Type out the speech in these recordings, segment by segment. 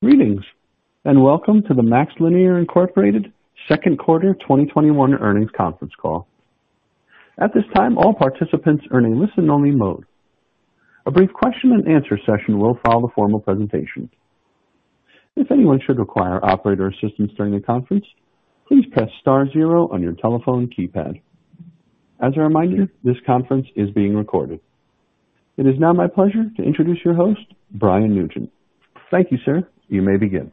Greetings, and welcome to the MaxLinear Incorporated second quarter 2021 earnings conference call. At this time, all participants are in a listen-only mode. A brief question-and-answer session will follow the formal presentation. If anyone should require operator assistance during the conference, please press star zero on your telephone keypad. As a reminder, this conference is being recorded. It is now my pleasure to introduce your host, Brian Nugent. Thank you, sir. You may begin.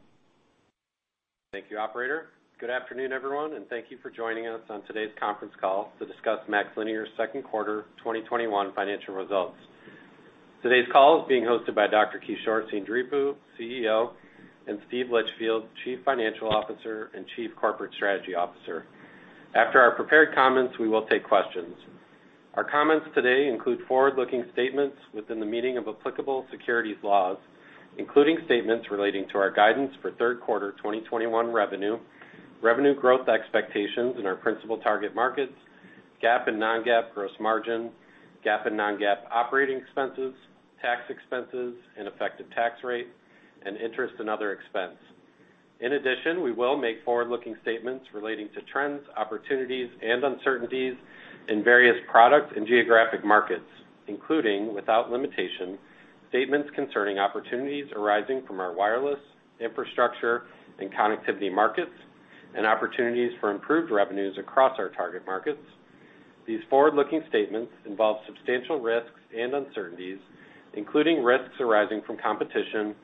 Thank you, operator. Good afternoon, everyone, and thank you for joining us on today's conference call to discuss MaxLinear's second quarter 2021 financial results. Today's call is being hosted by Dr. Kishore Seendripu, CEO, and Steve Litchfield, Chief Financial Officer and Chief Corporate Strategy Officer. After our prepared comments, we will take questions. Our comments today include forward-looking statements within the meaning of applicable securities laws, including statements relating to our guidance for third quarter 2021 revenue growth expectations in our principal target markets, GAAP and non-GAAP gross margin, GAAP and non-GAAP operating expenses, tax expenses and effective tax rate, and interest and other expense. In addition, we will make forward-looking statements relating to trends, opportunities, and uncertainties in various product and geographic markets, including, without limitation, statements concerning opportunities arising from our wireless, infrastructure, and connectivity markets and opportunities for improved revenues across our target markets. These forward-looking statements involve substantial risks and uncertainties, including risks arising from competition,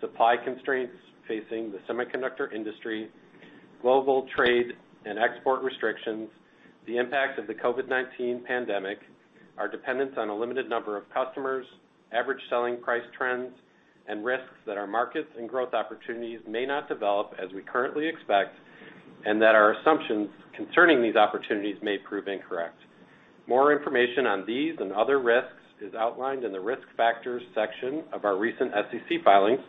supply constraints facing the semiconductor industry, global trade and export restrictions, the impact of the COVID-19 pandemic, our dependence on a limited number of customers, average selling price trends, and risks that our markets and growth opportunities may not develop as we currently expect, and that our assumptions concerning these opportunities may prove incorrect. More information on these and other risks is outlined in the Risk Factors section of our recent SEC filings,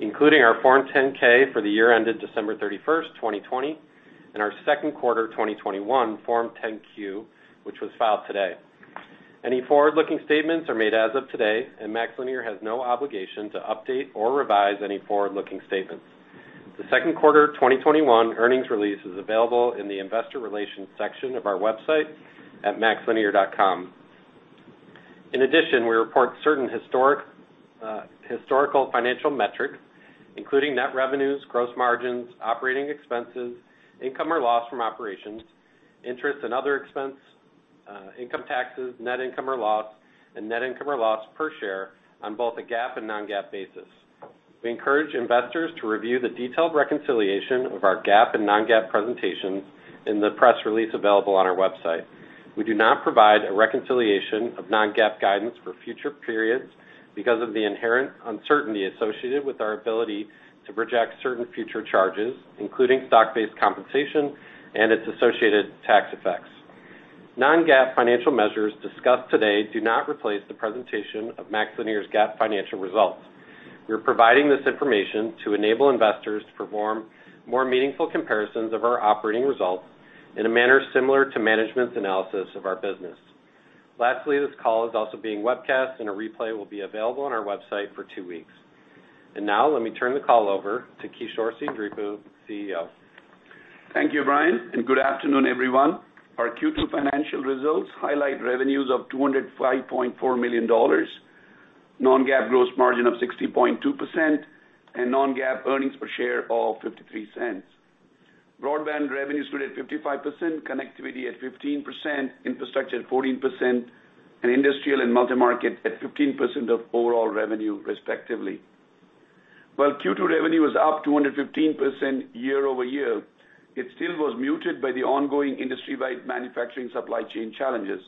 including our Form 10-K for the year ended December 31st, 2020, and our second quarter 2021 Form 10-Q, which was filed today. Any forward-looking statements are made as of today, and MaxLinear has no obligation to update or revise any forward-looking statements. The second quarter 2021 earnings release is available in the investor relations section of our website at maxlinear.com. In addition, we report certain historical financial metrics, including net revenues, gross margins, operating expenses, income or loss from operations, interest and other expense, income taxes, net income or loss, and net income or loss per share on both a GAAP and non-GAAP basis. We encourage investors to review the detailed reconciliation of our GAAP and non-GAAP presentations in the press release available on our website. We do not provide a reconciliation of non-GAAP guidance for future periods because of the inherent uncertainty associated with our ability to project certain future charges, including stock-based compensation and its associated tax effects. Non-GAAP financial measures discussed today do not replace the presentation of MaxLinear's GAAP financial results. We are providing this information to enable investors to perform more meaningful comparisons of our operating results in a manner similar to management's analysis of our business. Lastly, this call is also being webcast, and a replay will be available on our website for two weeks. Now, let me turn the call over to Kishore Seendripu, CEO. Thank you, Brian, and good afternoon, everyone. Our Q2 financial results highlight revenues of $205.4 million, non-GAAP gross margin of 60.2%, and non-GAAP earnings per share of $0.53. Broadband revenues grew at 55%, connectivity at 15%, infrastructure at 14%, and industrial and multi-market at 15% of overall revenue respectively. While Q2 revenue was up 215% year-over-year, it still was muted by the ongoing industry-wide manufacturing supply chain challenges.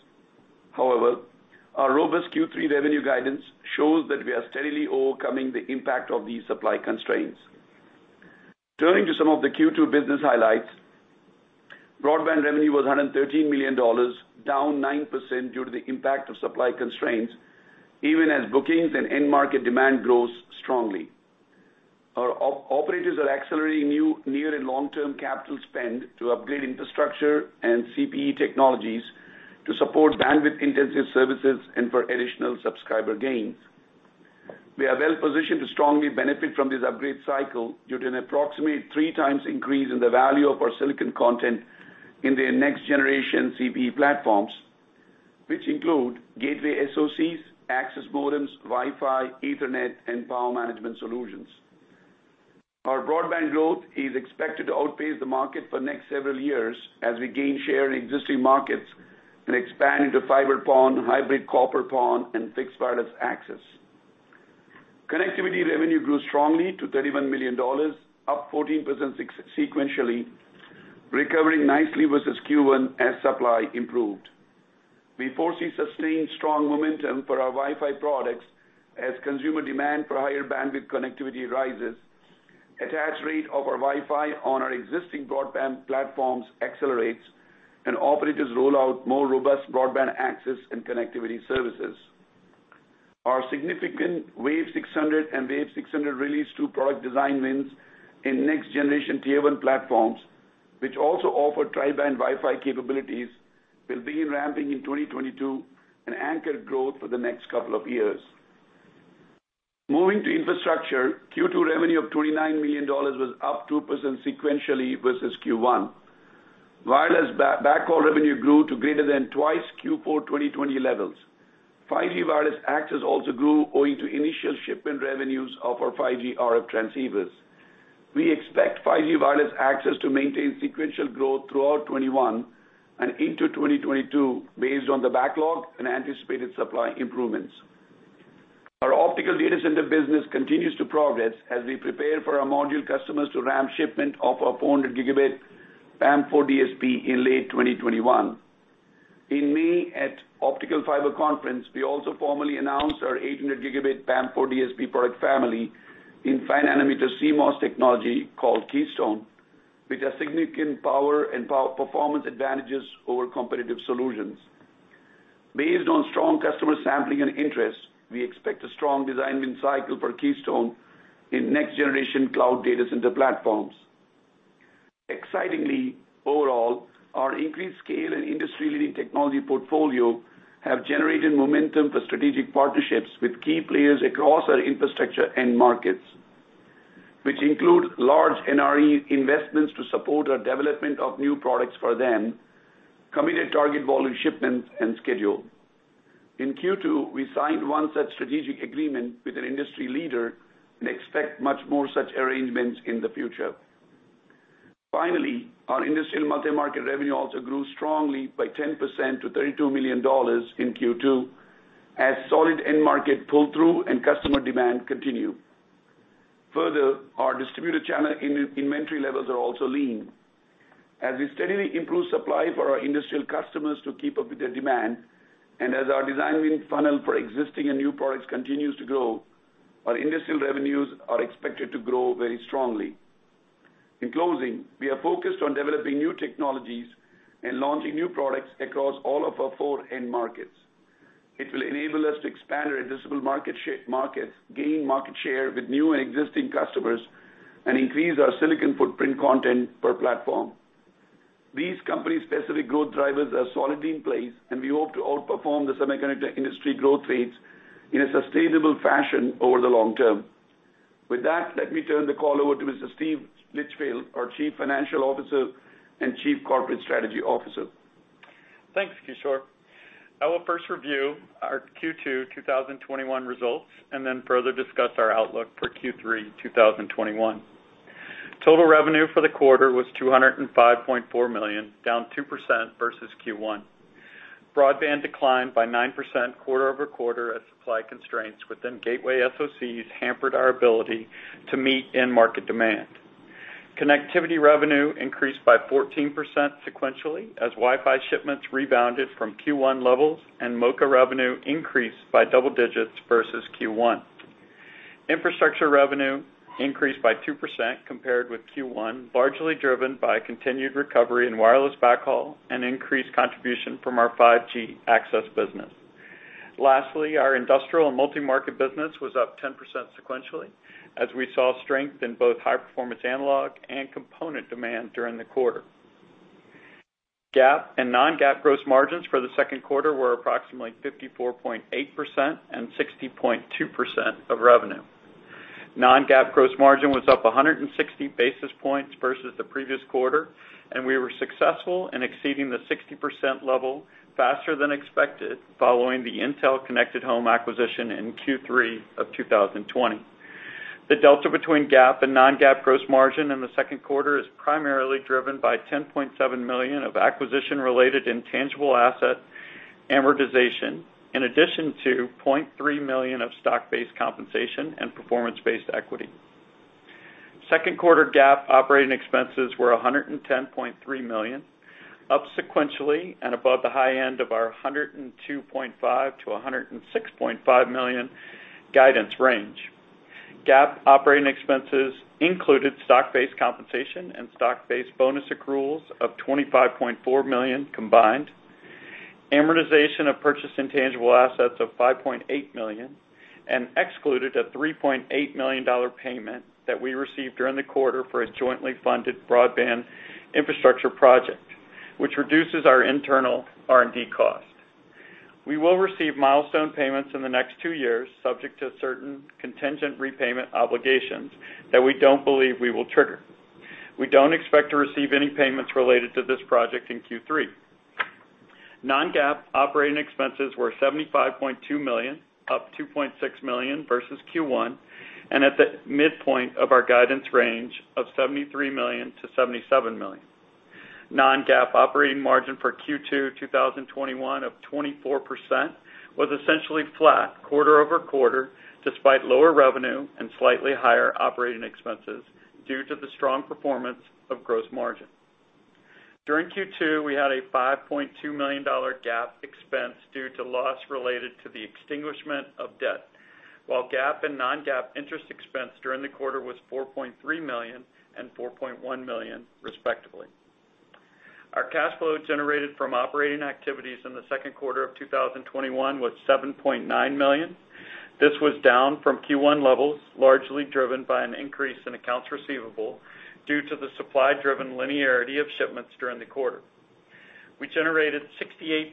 However, our robust Q3 revenue guidance shows that we are steadily overcoming the impact of these supply constraints. Turning to some of the Q2 business highlights, broadband revenue was $113 million, down 9% due to the impact of supply constraints, even as bookings and end market demand grows strongly. Our operators are accelerating new and long-term capital spend to upgrade infrastructure and CPE technologies to support bandwidth-intensive services and for additional subscriber gains. We are well positioned to strongly benefit from this upgrade cycle due to an approximate 3x increase in the value of our silicon content in their next-generation CPE platforms, which include gateway SoCs, access modems, Wi-Fi, Ethernet, and power management solutions. Our broadband growth is expected to outpace the market for next several years as we gain share in existing markets and expand into fiber PON, hybrid copper PON, and fixed wireless access. Connectivity revenue grew strongly to $31 million, up 14% sequentially, recovering nicely versus Q1 as supply improved. We foresee sustained strong momentum for our Wi-Fi products as consumer demand for higher bandwidth connectivity rises, attach rate of our Wi-Fi on our existing broadband platforms accelerates, and operators roll out more robust broadband access and connectivity services. Our significant WAV600 and WAV600 Series-2 product design wins in next-generation Tier 1 platforms Which also offer tri-band Wi-Fi capabilities, will begin ramping in 2022 and anchor growth for the next couple of years. Moving to infrastructure, Q2 revenue of $29 million was up 2% sequentially versus Q1. Wireless backhaul revenue grew to greater than twice Q4 2020 levels. 5G wireless access also grew owing to initial shipment revenues of our 5G RF transceivers. We expect 5G wireless access to maintain sequential growth throughout 2021 and into 2022 based on the backlog and anticipated supply improvements. Our optical data center business continues to progress as we prepare for our module customers to ramp shipment of our 400 Gb PAM4 DSP in late 2021. In May at Optical Fiber Conference, we also formally announced our 800 Gb PAM4 DSP product family in 5nm CMOS technology called Keystone, with a significant power and performance advantages over competitive solutions. Based on strong customer sampling and interest, we expect a strong design win cycle for Keystone in next generation cloud data center platforms. Excitingly, overall, our increased scale and industry-leading technology portfolio have generated momentum for strategic partnerships with key players across our infrastructure end markets, which include large NRE investments to support our development of new products for them, committed target volume shipments, and schedule. In Q2, we signed one such strategic agreement with an industry leader and expect much more such arrangements in the future. Finally, our industrial multi-market revenue also grew strongly by 10% to $32 million in Q2 as solid end market pull-through and customer demand continue. Further, our distributor channel inventory levels are also lean. As we steadily improve supply for our industrial customers to keep up with their demand, and as our design win funnel for existing and new products continues to grow, our industrial revenues are expected to grow very strongly. In closing, we are focused on developing new technologies and launching new products across all of our four end markets. It will enable us to expand our addressable markets, gain market share with new and existing customers, and increase our silicon footprint content per platform. These company-specific growth drivers are solidly in place, and we hope to outperform the semiconductor industry growth rates in a sustainable fashion over the long term. With that, let me turn the call over to Mr. Steve Litchfield, our Chief Financial Officer and Chief Corporate Strategy Officer. Thanks, Kishore. I will first review our Q2 2021 results and then further discuss our outlook for Q3 2021. Total revenue for the quarter was $205.4 million, down 2% versus Q1. Broadband declined by 9% quarter-over-quarter as supply constraints within gateway SoCs hampered our ability to meet end market demand. Connectivity revenue increased by 14% sequentially as Wi-Fi shipments rebounded from Q1 levels and MoCA revenue increased by double digits versus Q1. Infrastructure revenue increased by 2% compared with Q1, largely driven by continued recovery in wireless backhaul and increased contribution from our 5G access business. Lastly, our industrial and multi-market business was up 10% sequentially, as we saw strength in both high-performance analog and component demand during the quarter. GAAP and non-GAAP gross margins for the second quarter were approximately 54.8% and 60.2% of revenue. Non-GAAP gross margin was up 160 basis points versus the previous quarter, and we were successful in exceeding the 60% level faster than expected following the Intel Connected Home acquisition in Q3 of 2020. The delta between GAAP and non-GAAP gross margin in the second quarter is primarily driven by $10.7 million of acquisition-related intangible asset amortization, in addition to $0.3 million of stock-based compensation and performance-based equity. Second quarter GAAP operating expenses were $110.3 million, up sequentially and above the high end of our $102.5 million-$106.5 million guidance range. GAAP operating expenses included stock-based compensation and stock-based bonus accruals of $25.4 million combined, amortization of purchased intangible assets of $5.8 million and excluded a $3.8 million payment that we received during the quarter for a jointly funded broadband infrastructure project, which reduces our internal R&D cost. We will receive milestone payments in the next two years, subject to certain contingent repayment obligations that we don't believe we will trigger. We don't expect to receive any payments related to this project in Q3. Non-GAAP operating expenses were $75.2 million, up $2.6 million versus Q1, and at the midpoint of our guidance range of $73 million-$77 million. Non-GAAP operating margin for Q2 2021 of 24% was essentially flat quarter-over-quarter, despite lower revenue and slightly higher operating expenses due to the strong performance of gross margin. During Q2, we had a $5.2 million GAAP expense due to loss related to the extinguishment of debt, while GAAP and non-GAAP interest expense during the quarter was $4.3 million and $4.1 million, respectively. Our cash flow generated from operating activities in the second quarter of 2021 was $7.9 million. This was down from Q1 levels, largely driven by an increase in accounts receivable due to the supply-driven linearity of shipments during the quarter. We generated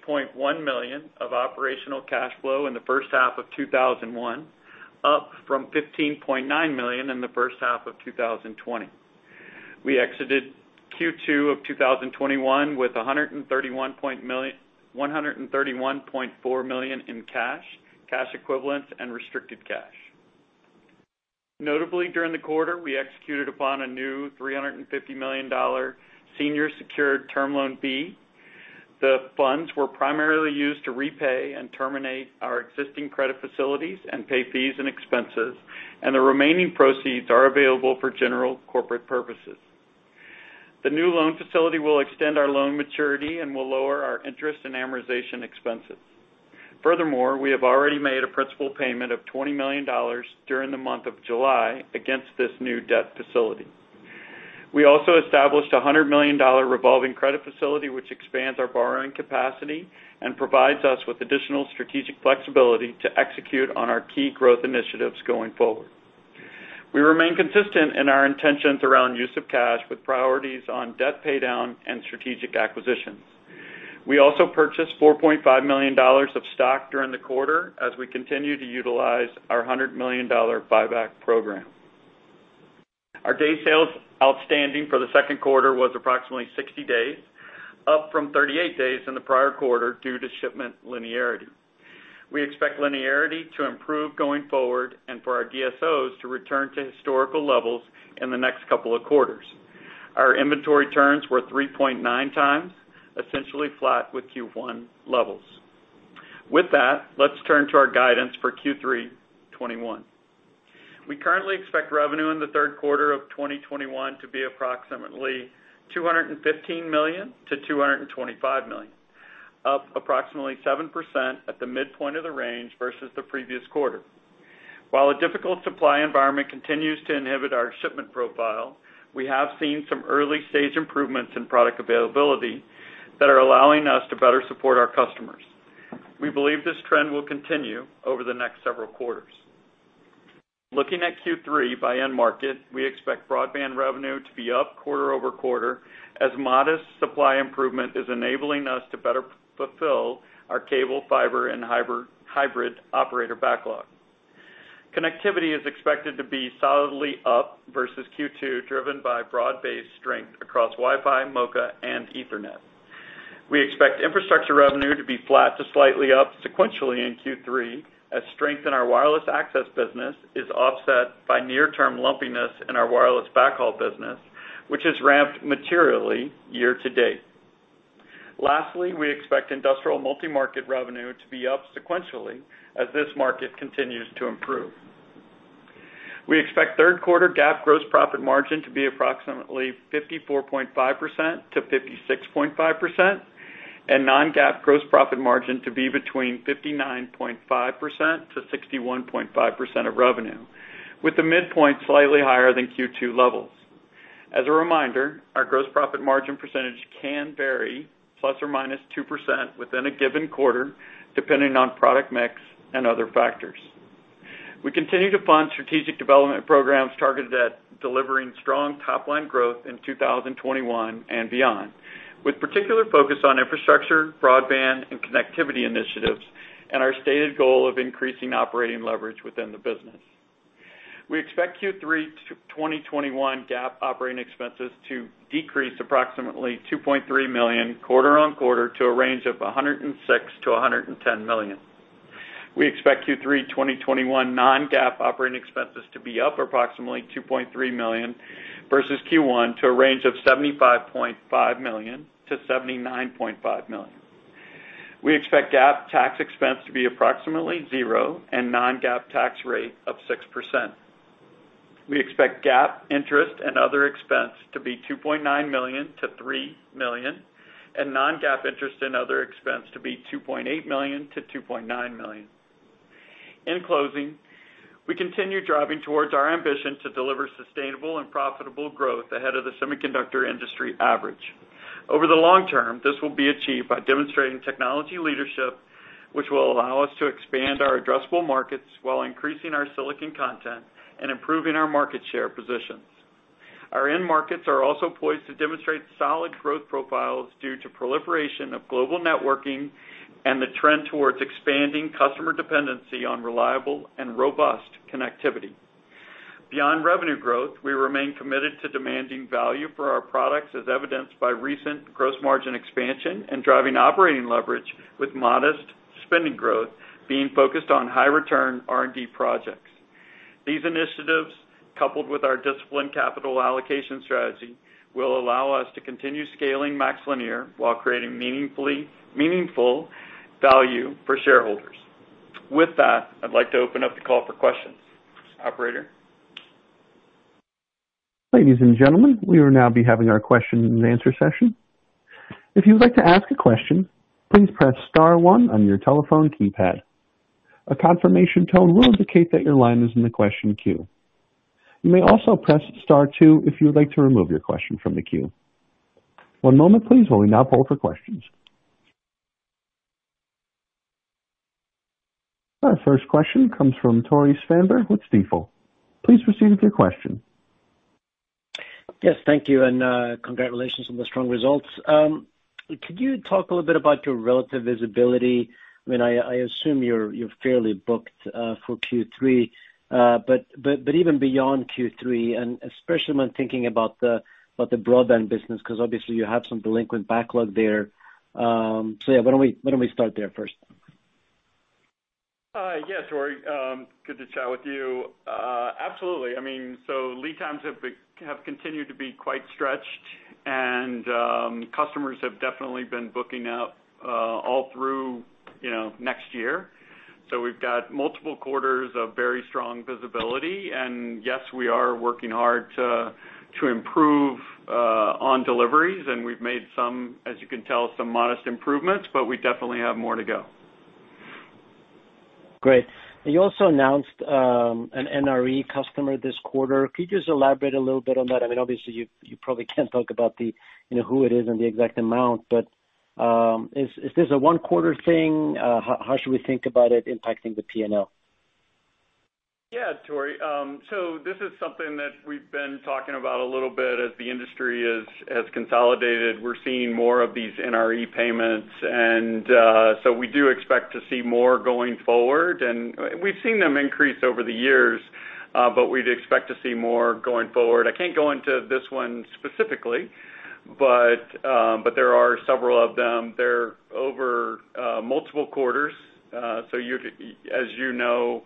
$68.1 million of operational cash flow in the first half of 2021, up from $15.9 million in the first half of 2020. We exited Q2 of 2021 with $131.4 million in cash equivalents, and restricted cash. Notably, during the quarter, we executed upon a new $350 million senior secured Term Loan B. The funds were primarily used to repay and terminate our existing credit facilities and pay fees and expenses, and the remaining proceeds are available for general corporate purposes. The new loan facility will extend our loan maturity and will lower our interest and amortization expenses. Furthermore, we have already made a principal payment of $20 million during the month of July against this new debt facility. We also established $100 million revolving credit facility, which expands our borrowing capacity and provides us with additional strategic flexibility to execute on our key growth initiatives going forward. We remain consistent in our intentions around use of cash, with priorities on debt paydown and strategic acquisitions. We also purchased $4.5 million of stock during the quarter as we continue to utilize our $100 million buyback program. Our day sales outstanding for the second quarter was approximately 60 days, up from 38 days in the prior quarter due to shipment linearity. We expect linearity to improve going forward and for our DSOs to return to historical levels in the next couple of quarters. Our inventory turns were 3.9x, essentially flat with Q1 levels. With that, let's turn to our guidance for Q3 2021. We currently expect revenue in the third quarter of 2021 to be approximately $215 million-$225 million, up approximately 7% at the midpoint of the range versus the previous quarter. While a difficult supply environment continues to inhibit our shipment profile, we have seen some early-stage improvements in product availability that are allowing us to better support our customers. We believe this trend will continue over the next several quarters. Looking at Q3 by end market, we expect broadband revenue to be up quarter-over-quarter, as modest supply improvement is enabling us to better fulfill our cable, fiber, and hybrid operator backlog. Connectivity is expected to be solidly up versus Q2, driven by broad-based strength across Wi-Fi, MoCA, and Ethernet. We expect infrastructure revenue to be flat to slightly up sequentially in Q3 as strength in our wireless access business is offset by near-term lumpiness in our wireless backhaul business, which has ramped materially year to date. Lastly, we expect industrial multi-market revenue to be up sequentially as this market continues to improve. We expect third quarter GAAP gross profit margin to be approximately 54.5%-56.5%, and non-GAAP gross profit margin to be between 59.5%-61.5% of revenue, with the midpoint slightly higher than Q2 levels. As a reminder, our gross profit margin percentage can vary ±2% within a given quarter, depending on product mix and other factors. We continue to fund strategic development programs targeted at delivering strong top-line growth in 2021 and beyond, with particular focus on infrastructure, broadband, and connectivity initiatives and our stated goal of increasing operating leverage within the business. We expect Q3 2021 GAAP operating expenses to decrease approximately $2.3 million quarter-on-quarter to a range of $106 million-$110 million. We expect Q3 2021 non-GAAP operating expenses to be up approximately $2.3 million versus Q1, to a range of $75.5 million-$79.5 million. We expect GAAP tax expense to be approximately zero and non-GAAP tax rate of 6%. We expect GAAP interest and other expense to be $2.9 million-$3 million and non-GAAP interest and other expense to be $2.8 million-$2.9 million. In closing, we continue driving towards our ambition to deliver sustainable and profitable growth ahead of the semiconductor industry average. Over the long term, this will be achieved by demonstrating technology leadership, which will allow us to expand our addressable markets while increasing our silicon content and improving our market share positions. Our end markets are also poised to demonstrate solid growth profiles due to proliferation of global networking and the trend towards expanding customer dependency on reliable and robust connectivity. Beyond revenue growth, we remain committed to demanding value for our products, as evidenced by recent gross margin expansion and driving operating leverage with modest spending growth being focused on high-return R&D projects. These initiatives, coupled with our disciplined capital allocation strategy, will allow us to continue scaling MaxLinear while creating meaningful value for shareholders. With that, I'd like to open up the call for questions. Operator? Ladies and gentlemen, we will now be having our question and answer session. If you would like to ask a question, please press star one on your telephone keypad. A confirmation tone will indicate that your line is in the question queue. You may also press star two if you would like to remove your question from the queue. One moment please while we now poll for questions. Our first question comes from Tore Svanberg with Stifel. Please proceed with your question. Yes, thank you and congratulations on the strong results. Could you talk a little bit about your relative visibility? I assume you're fairly booked for Q3, but even beyond Q3, and especially when thinking about the broadband business, because obviously you have some delinquent backlog there. Yeah, why don't we start there first? Yes, Tore. Good to chat with you. Absolutely. Lead times have continued to be quite stretched and customers have definitely been booking out all through next year. We've got multiple quarters of very strong visibility, and yes, we are working hard to improve on deliveries and we've made some, as you can tell, some modest improvements, but we definitely have more to go. Great. You also announced an NRE customer this quarter. Could you just elaborate a little bit on that? Obviously, you probably can't talk about who it is and the exact amount, but is this a one-quarter thing? How should we think about it impacting the P&L? Yeah, Tore. This is something that we've been talking about a little bit as the industry has consolidated. We're seeing more of these NRE payments. We do expect to see more going forward, and we've seen them increase over the years, but we'd expect to see more going forward. I can't go into this one specifically, but there are several of them. They're over multiple quarters. As you know,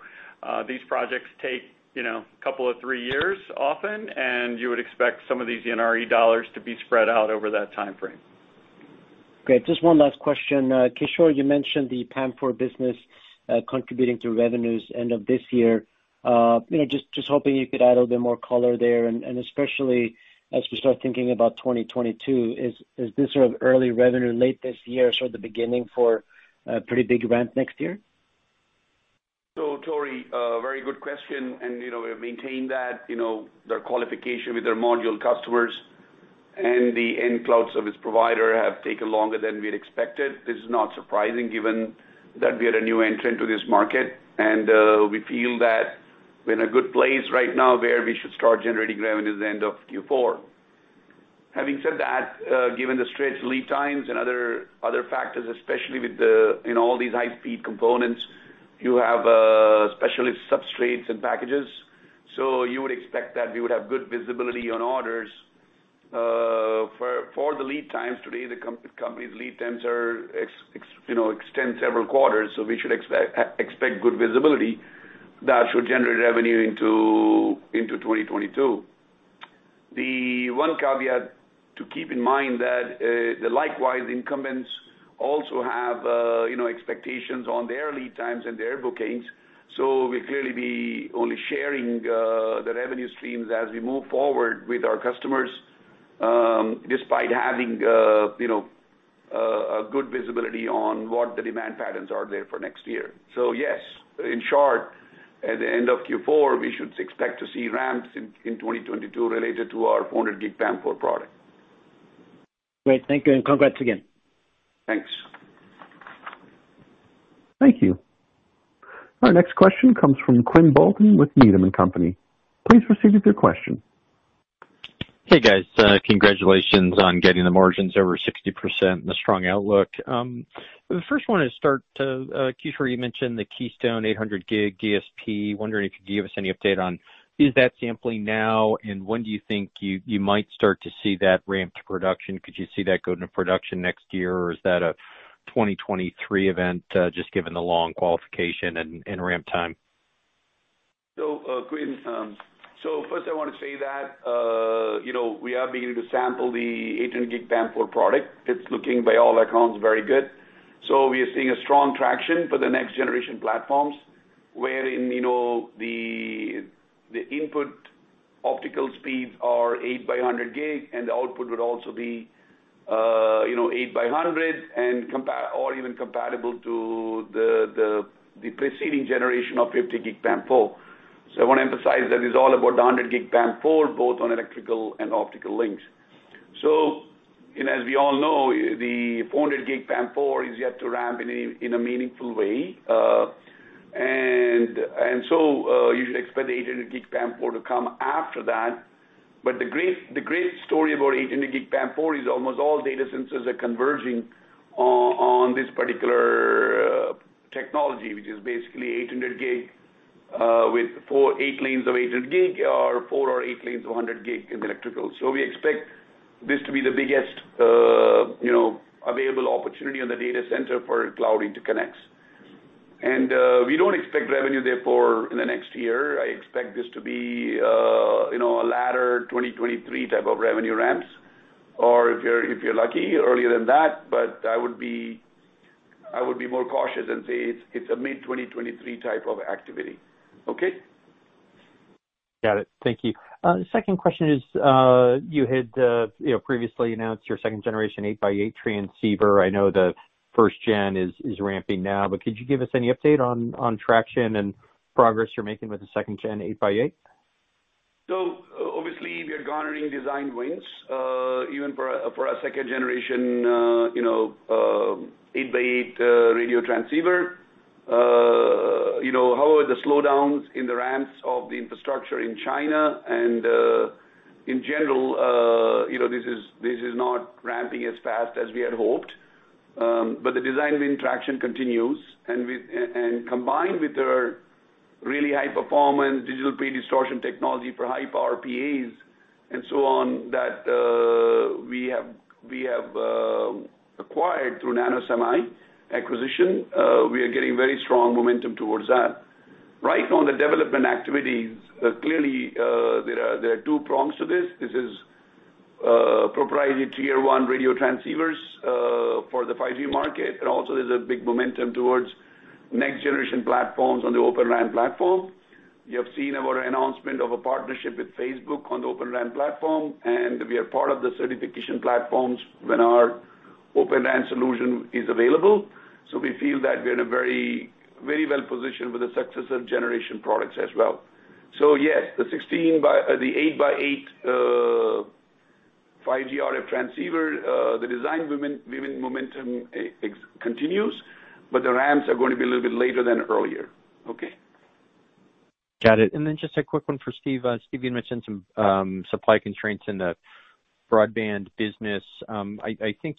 these projects take a couple of three years often, and you would expect some of these NRE dollars to be spread out over that timeframe. Great. Just one last question. Kishore, you mentioned the PAM4 business contributing to revenues end of this year. Just hoping you could add a little bit more color there and especially as we start thinking about 2022, is this sort of early revenue late this year, sort of the beginning for a pretty big ramp next year? Tore, very good question. We've maintained that their qualification with their module customers and the end cloud service provider have taken longer than we had expected. This is not surprising given that we are a new entrant to this market, we feel that we're in a good place right now where we should start generating revenues end of Q4. Having said that, given the stretched lead times and other factors, especially with all these high-speed components, you have specialist substrates and packages. You would expect that we would have good visibility on orders for the lead times. Today the company's lead times extend several quarters, we should expect good visibility that should generate revenue into 2022. The one caveat to keep in mind that the likewise incumbents also have expectations on their lead times and their bookings. We'll clearly be only sharing the revenue streams as we move forward with our customers, despite having a good visibility on what the demand patterns are there for next year. Yes, in short, at the end of Q4, we should expect to see ramps in 2022 related to our 400G PAM4 product. Great. Thank you, and congrats again. Thanks. Thank you. Our next question comes from Quinn Bolton with Needham & Company. Please proceed with your question. Hey, guys. Congratulations on getting the margins over 60% and the strong outlook. The first one is, Kishore, you mentioned the Keystone 800G DSP. Wondering if you could give us any update on is that sampling now, and when do you think you might start to see that ramp to production? Could you see that go into production next year, or is that a 2023 event, just given the long qualification and ramp time? Quinn, first I want to say that we are beginning to sample the 800G PAM4 product. It's looking by all accounts very good. We are seeing a strong traction for the next generation platforms, wherein the input optical speeds are 8 by 100G, and the output would also be 8 by 100 or even compatible to the preceding generation of 50G PAM4. I want to emphasize that it's all about the 100G PAM4, both on electrical and optical links. As we all know, the 400G PAM4 is yet to ramp in a meaningful way. You should expect the 800G PAM4 to come after that. The great story about 800G PAM4 is almost all data centers are converging on this particular technology, which is basically 800G with 4 [eight-lanes of 800G or 4 or 8 lanes of 100G in electrical. We expect this to be the biggest available opportunity in the data center for cloud interconnects. We don't expect revenue therefore in the next year. I expect this to be a latter 2023 type of revenue ramps or if you're lucky, earlier than that. I would be more cautious and say it's a mid-2023 type of activity. Okay. Got it. Thank you. Second question is you had previously announced your second generation 8x8 transceiver. I know the first gen is ramping now, but could you give us any update on traction and progress you're making with the second gen 8x8? Obviously, we are garnering design wins even for our second generation, 8x8 radio transceiver. The slowdowns in the ramps of the infrastructure in China and in general this is not ramping as fast as we had hoped. The design win traction continues and combined with our really high performance digital pre-distortion technology for high power PAs and so on that we have acquired through NanoSemi acquisition, we are getting very strong momentum towards that. Right on the development activities, clearly, there are two prongs to this. This is proprietary Tier 1 radio transceivers for the 5G market, and also there's a big momentum towards next generation platforms on the Open RAN platform. You have seen our announcement of a partnership with Facebook on the Open RAN platform, and we are part of the certification platforms when our Open RAN solution is available. We feel that we're in a very well positioned with the successive generation products as well. Yes, the 8x8 5G RF transceiver, the design win momentum continues, but the ramps are going to be a little bit later than earlier. Okay. Got it. Just a quick one for Steve. Steve, you mentioned some supply constraints in the broadband business. I think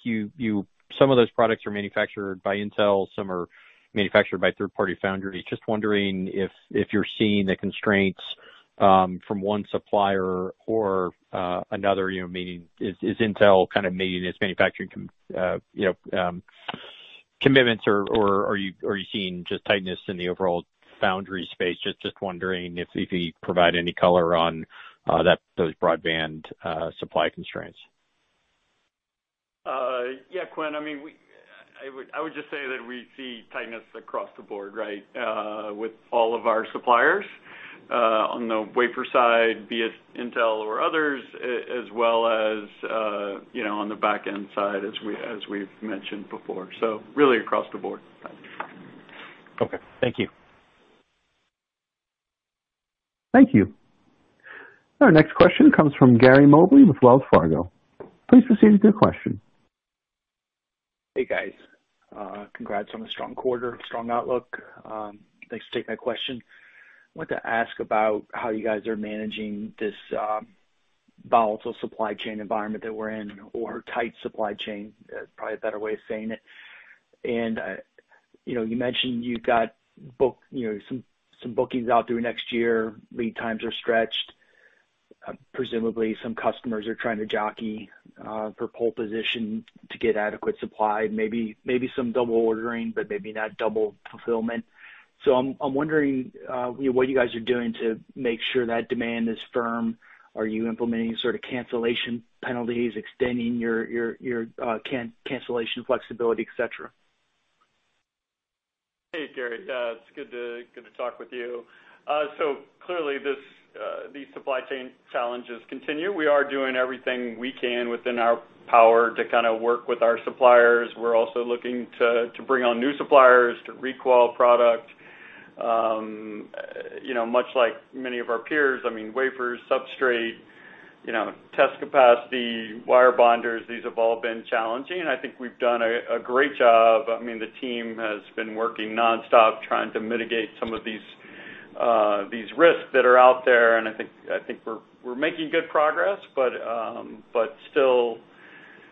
some of those products are manufactured by Intel, some are manufactured by third party foundries. Just wondering if you're seeing the constraints from one supplier or another, meaning is Intel kind of meeting its manufacturing commitments or are you seeing just tightness in the overall foundry space? Just wondering if you could provide any color on those broadband supply constraints. Yeah, Quinn, I would just say that we see tightness across the board, with all of our suppliers, on the wafer side, be it Intel or others, as well as on the back end side as we've mentioned before. Really across the board. Okay. Thank you. Thank you. Our next question comes from Gary Mobley with Wells Fargo. Please proceed with your question. Hey, guys. Congrats on the strong quarter, strong outlook. Thanks to take my question. I wanted to ask about how you guys are managing this volatile supply chain environment that we're in or tight supply chain, probably a better way of saying it. You mentioned you've got some bookings out through next year. Lead times are stretched. Presumably some customers are trying to jockey for pole position to get adequate supply. Maybe some double ordering, but maybe not double fulfillment. I'm wondering what you guys are doing to make sure that demand is firm. Are you implementing sort of cancellation penalties, extending your cancellation flexibility, et cetera? Hey, Gary. It's good to talk with you. Clearly these supply chain challenges continue. We are doing everything we can within our power to kind of work with our suppliers. We're also looking to bring on new suppliers to re-qual product. Much like many of our peers, wafers, substrate, test capacity, wire bonders, these have all been challenging, and I think we've done a great job. The team has been working nonstop trying to mitigate some of these risks that are out there, and I think we're making good progress, but still,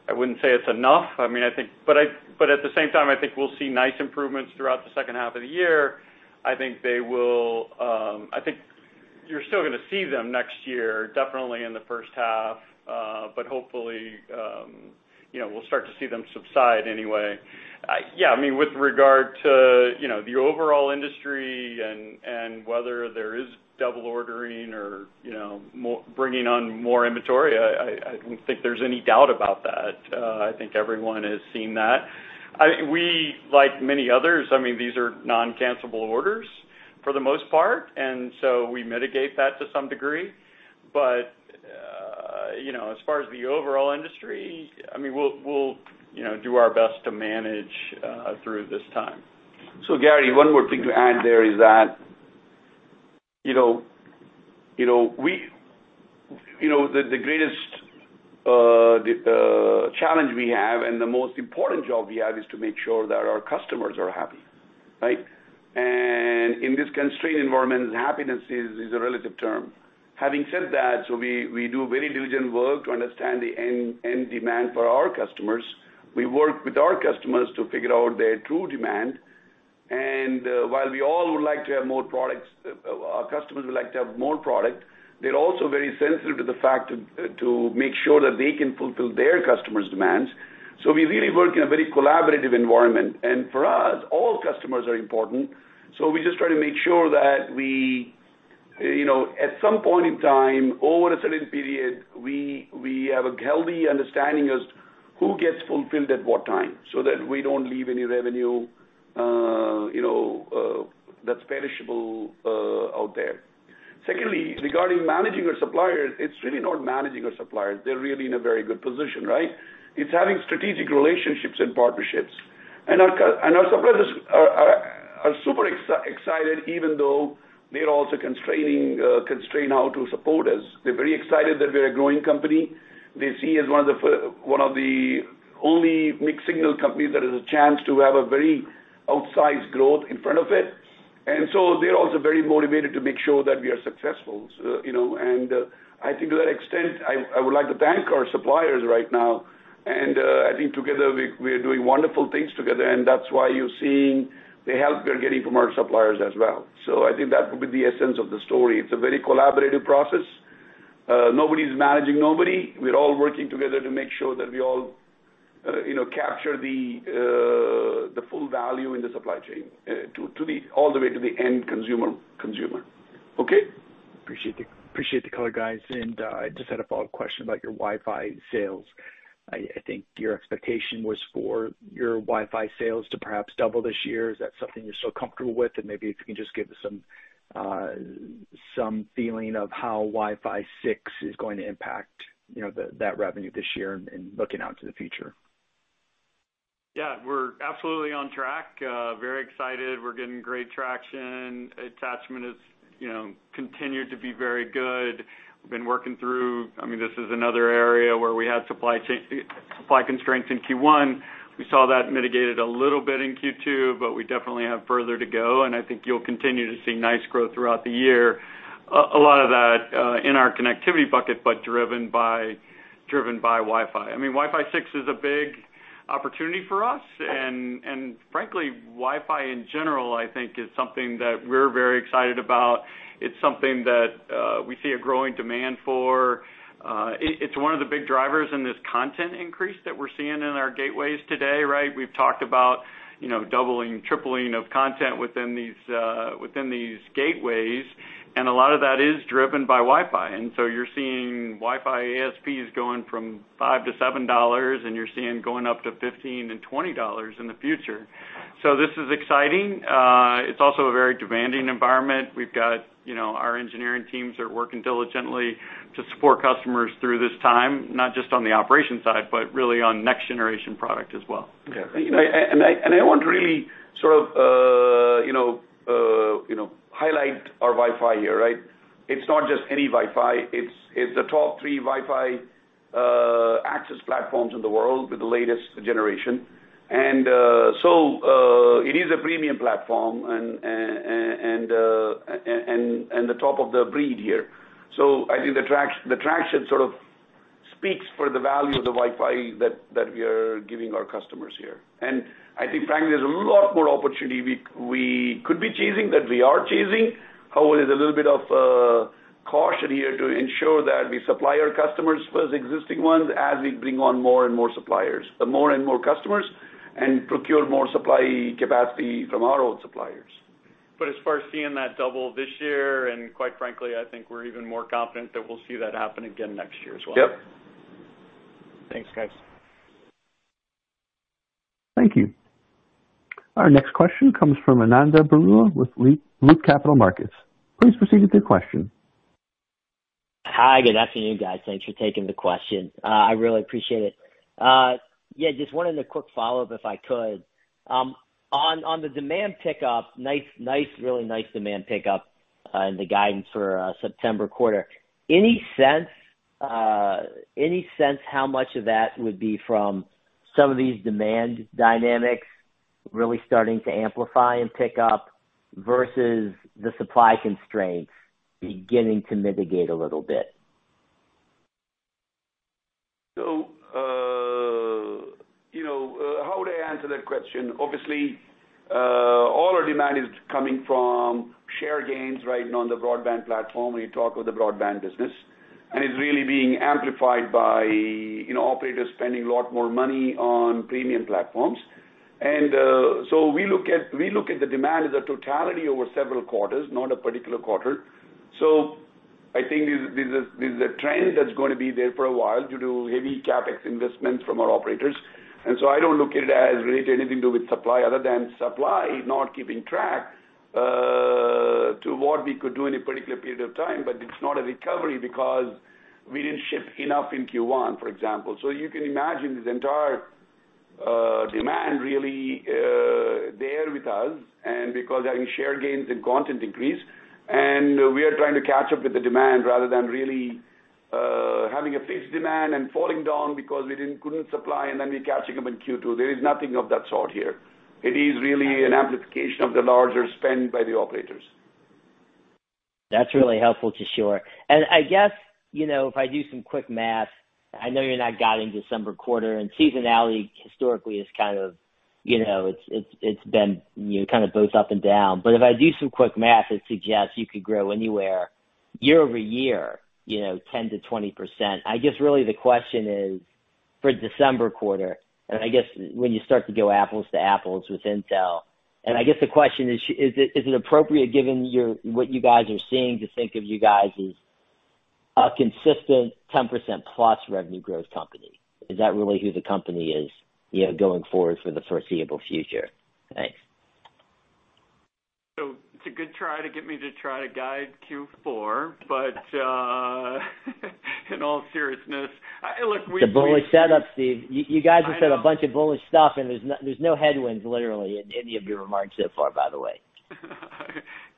I wouldn't say it's enough. At the same time, I think we'll see nice improvements throughout the second half of the year. I think you're still going to see them next year, definitely in the first half. Hopefully, we'll start to see them subside anyway. Yeah, with regard to the overall industry and whether there is double ordering or bringing on more inventory, I don't think there's any doubt about that. I think everyone has seen that. We, like many others, these are non-cancellable orders for the most part, and so we mitigate that to some degree. As far as the overall industry, we'll do our best to manage through this time. Gary, one more thing to add there is that the greatest challenge we have and the most important job we have is to make sure that our customers are happy, right? In this constrained environment, happiness is a relative term. Having said that, we do very diligent work to understand the end demand for our customers. We work with our customers to figure out their true demand. While we all [inaudible] customers would like to have more product, they're also very sensitive to the fact to make sure that they can fulfill their customers' demands. We really work in a very collaborative environment. For us, all customers are important. We just try to make sure that we, at some point in time over a certain period, we have a healthy understanding as who gets fulfilled at what time, so that we don't leave any revenue that's perishable out there. Secondly, regarding managing our suppliers, it's really not managing our suppliers. They're really in a very good position, right? It's having strategic relationships and partnerships. Our suppliers are super excited, even though they're also constrained how to support us. They're very excited that we're a growing company. They see us as one of the only mixed signal companies that has a chance to have a very outsized growth in front of it. They're also very motivated to make sure that we are successful. I think to that extent, I would like to thank our suppliers right now. I think together, we are doing wonderful things together, and that's why you're seeing the help we are getting from our suppliers as well. I think that would be the essence of the story. It's a very collaborative process. Nobody's managing nobody. We're all working together to make sure that we all capture the full value in the supply chain all the way to the end consumer. Okay? Appreciate the color, guys. Just had a follow-up question about your Wi-Fi sales. I think your expectation was for your Wi-Fi sales to perhaps double this year. Is that something you're still comfortable with? Maybe if you can just give some feeling of how Wi-Fi 6 is going to impact that revenue this year and looking out to the future. Yeah. We're absolutely on track. Very excited. We're getting great traction. Attachment has continued to be very good. This is another area where we had supply constraints in Q1. We saw that mitigated a little bit in Q2, but we definitely have further to go, and I think you'll continue to see nice growth throughout the year. A lot of that in our connectivity bucket, but driven by Wi-Fi. Wi-Fi 6 is a big opportunity for us. Frankly, Wi-Fi in general, I think, is something that we're very excited about. It's something that we see a growing demand for. It's one of the big drivers in this content increase that we're seeing in our gateways today, right? We've talked about doubling, tripling of content within these gateways, and a lot of that is driven by Wi-Fi. You're seeing Wi-Fi ASPs going from $5-$7, and you're seeing going up to $15 and $20 in the future. This is exciting. It's also a very demanding environment. We've got our engineering teams are working diligently to support customers through this time, not just on the operations side, but really on next generation product as well. Yeah. I want to really sort of highlight our Wi-Fi here, right? It's not just any Wi-Fi. It's the top 3 Wi-Fi access platforms in the world with the latest generation. It is a premium platform and the top of the breed here. I think the traction sort of speaks for the value of the Wi-Fi that we are giving our customers here. I think frankly, there's a lot more opportunity we could be chasing that we are chasing. However, there's a little bit of caution here to ensure that we supply our customers first, existing ones, as we bring on more and more customers and procure more supply capacity from our own suppliers. As far as seeing that double this year, and quite frankly, I think we're even more confident that we'll see that happen again next year as well. Yep. Thanks, guys. Thank you. Our next question comes from Ananda Baruah with Loop Capital Markets. Please proceed with your question. Hi. Good afternoon, guys. Thanks for taking the question. I really appreciate it. Just wanted a quick follow-up, if I could. On the demand pickup, really nice demand pickup in the guidance for September quarter. Any sense how much of that would be from some of these demand dynamics really starting to amplify and pick up versus the supply constraints beginning to mitigate a little bit? How would I answer that question? Obviously, all our demand is coming from share gains on the broadband platform when you talk of the broadband business, and it's really being amplified by operators spending a lot more money on premium platforms. We look at the demand as a totality over several quarters, not a particular quarter. I think this is a trend that's going to be there for a while due to heavy CapEx investments from our operators. I don't look at it as related anything to do with supply other than supply not keeping track to what we could do in a particular period of time, but it's not a recovery because we didn't ship enough in Q1, for example. You can imagine this entire demand really there with us and because having share gains and content increase, and we are trying to catch up with the demand rather than really having a fixed demand and falling down because we couldn't supply and then we catching up in Q2. There is nothing of that sort here. It is really an amplification of the larger spend by the operators. That's really helpful, Kishore. I guess, if I do some quick math, I know you're not guiding December quarter, seasonality historically it's been kind of both up and down. If I do some quick math, it suggests you could grow anywhere year-over-year 10%-20%. I guess really the question is for December quarter, I guess when you start to go apples to apples with Intel, I guess the question is it appropriate given what you guys are seeing to think of you guys as a consistent 10%+ revenue growth company? Is that really who the company is going forward for the foreseeable future? Thanks. Try to get me to try to guide Q4. In all seriousness, look. It's a bullish setup, Steve. I know. You guys have said a bunch of bullish stuff, there's no headwinds, literally, in any of your remarks so far, by the way.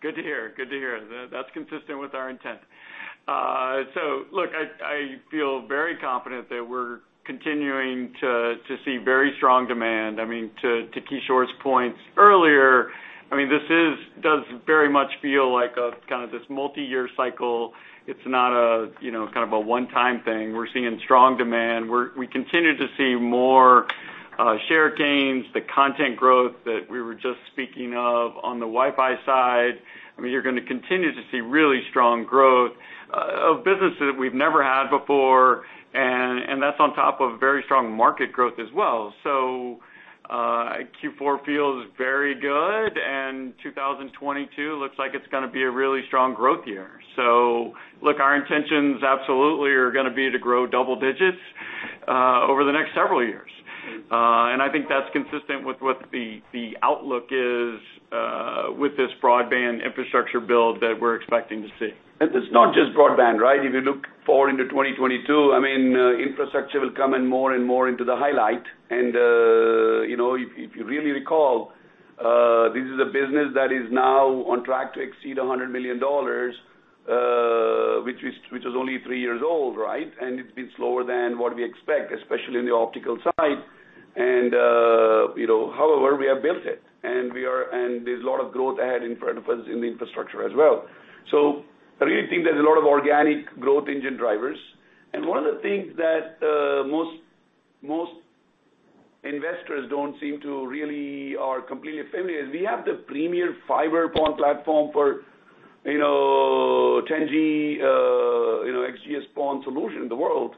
Good to hear. Good to hear. That's consistent with our intent. I feel very confident that we're continuing to see very strong demand. I mean, to Kishore's points earlier, this does very much feel like a kind of this multi-year cycle. It's not a one-time thing. We're seeing strong demand. We continue to see more share gains, the content growth that we were just speaking of on the Wi-Fi side. You're going to continue to see really strong growth of businesses we've never had before, and that's on top of very strong market growth as well. Q4 feels very good, and 2022 looks like it's going to be a really strong growth year. Our intentions absolutely are going to be to grow double digits over the next several years. I think that's consistent with what the outlook is with this broadband infrastructure build that we're expecting to see. It's not just broadband, right? If you look forward into 2022, infrastructure will come in more and more into the highlight. If you really recall, this is a business that is now on track to exceed $100 million, which is only three years old, right? It's been slower than what we expect, especially in the optical side. However, we have built it, and there's a lot of growth ahead in front of us in the infrastructure as well. I really think there's a lot of organic growth engine drivers. One of the things that most investors don't seem to really are completely familiar is we have the premier fiber PON platform for 10G, XGS-PON solution in the world.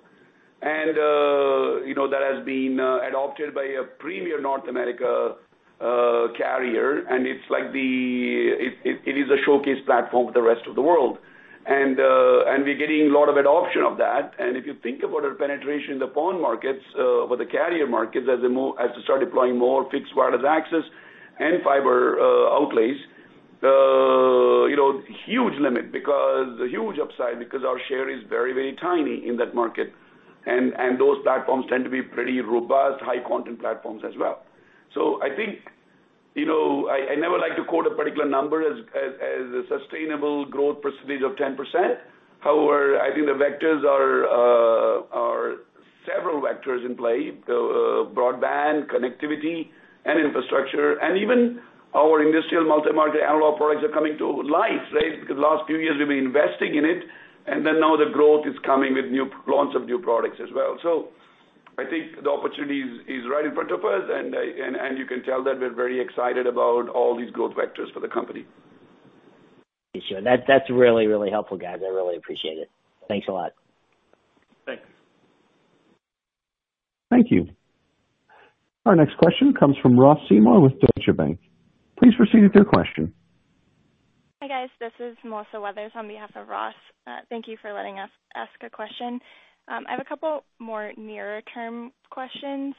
That has been adopted by a premier North America carrier, and it might be, it is a showcase platform for the rest of the world. We're getting a lot of adoption of that, if you think about our penetration in the PON markets, or the carrier markets, as they start deploying more fixed wireless access and fiber outlays, huge upside, because our share is very tiny in that market. Those platforms tend to be pretty robust, high content platforms as well. I think, I never like to quote a particular number as a sustainable growth percentage of 10%. However, I think the vectors are several vectors in play, broadband, connectivity, and infrastructure, and even our industrial multi-market analog products are coming to light, right? Last few years, we've been investing in it, and then now the growth is coming with launch of new products as well. I think the opportunity is right in front of us, and you can tell that we're very excited about all these growth vectors for the company. Sure. That's really helpful, guys. I really appreciate it. Thanks a lot. Thanks. Thank you. Our next question comes from Ross Seymore with Deutsche Bank. Please proceed with your question. Hi, guys. This is Melissa Weathers on behalf of Ross. Thank you for letting us ask a question. I have a couple more nearer term questions.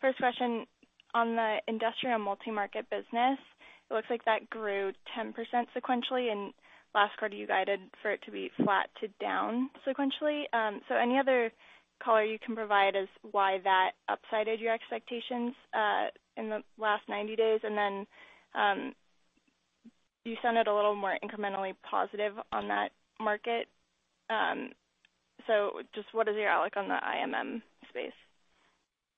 First question on the industrial multi-market business. It looks like that grew 10% sequentially. Last quarter, you guided for it to be flat to down sequentially. Any other color you can provide as why that upsided your expectations, in the last 90 days? You sounded a little more incrementally positive on that market. Just what is your outlook on the IMM space?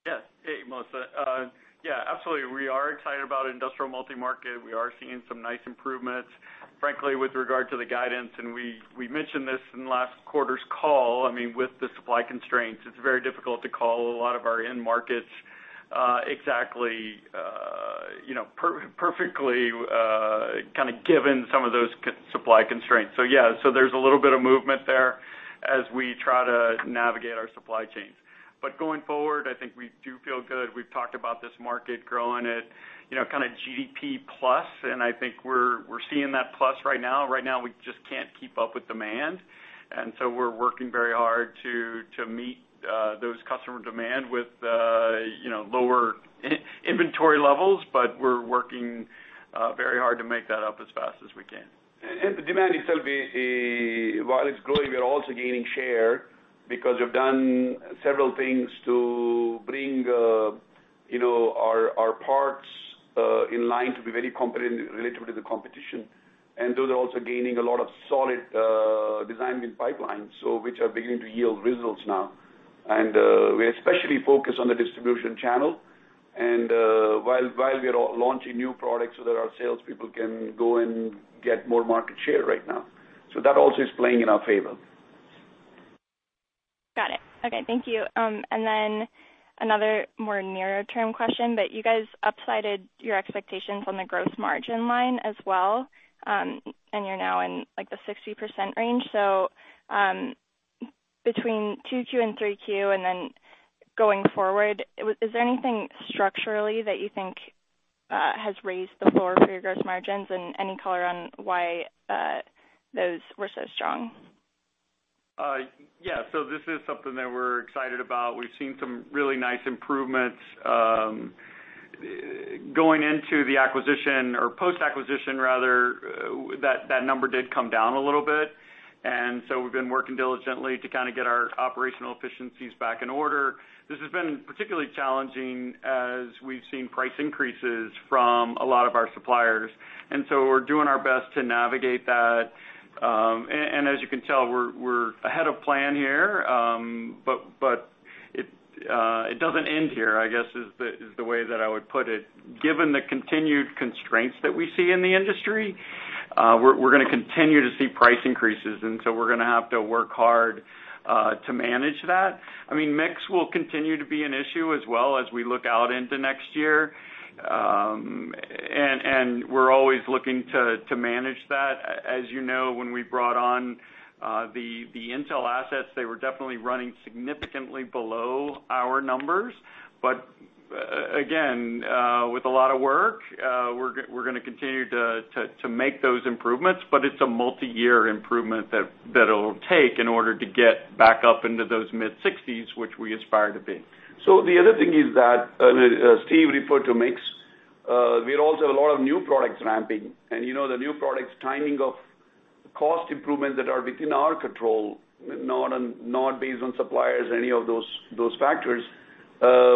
Yes. Hey, Melissa. Yeah, absolutely, we are excited about industrial multi-market. We are seeing some nice improvements, frankly, with regard to the guidance, and we mentioned this in last quarter's call. I mean, with the supply constraints, it's very difficult to call a lot of our end markets exactly, perfectly given some of those supply constraints. Yeah, so there's a little bit of movement there as we try to navigate our supply chains. Going forward, I think we do feel good. We've talked about this market growing at GDP plus, and I think we're seeing that plus right now. Right now, we just can't keep up with demand, and so we're working very hard to meet those customer demand with lower inventory levels. We're working very hard to make that up as fast as we can. The demand itself, while it's growing, we are also gaining share because we've done several things to bring our parts in line to be very competitive relative to the competition. Those are also gaining a lot of solid design win pipelines, so which are beginning to yield results now. We especially focus on the distribution channel, and while we are launching new products so that our salespeople can go and get more market share right now. That also is playing in our favor. Got it. Okay. Thank you. Another more nearer term question, you guys upsided your expectations on the gross margin line as well. You're now in like the 60% range. Between 2Q and 3Q, going forward, is there anything structurally that you think has raised the floor for your gross margins? Any color on why those were so strong? Yes. This is something that we're excited about. We've seen some really nice improvements. Going into the acquisition or post-acquisition rather, that number did come down a little bit. We've been working diligently to kind of get our operational efficiencies back in order. This has been particularly challenging as we've seen price increases from a lot of our suppliers, and so we're doing our best to navigate that. As you can tell, we're ahead of plan here. It doesn't end here, I guess, is the way that I would put it. Given the continued constraints that we see in the industry, we're going to continue to see price increases, and so we're going to have to work hard to manage that. Mix will continue to be an issue as well as we look out into next year. We're always looking to manage that. As you know, when we brought on the Intel assets, they were definitely running significantly below our numbers. But again, with a lot of work, we're going to continue to make those improvements, but it's a multi-year improvement that it'll take in order to get back up into those mid-60s, which we aspire to be. The other thing is that, as Steve referred to mix, we also have a lot of new products ramping. The new products timing of cost improvements that are within our control, not based on suppliers or any of those factors.